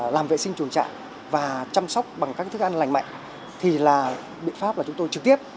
làm vệ sinh chuồng trại và chăm sóc bằng các thức ăn lành mạnh thì là biện pháp là chúng tôi trực tiếp